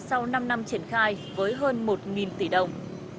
sau năm năm triển khai với hơn một tỷ đồng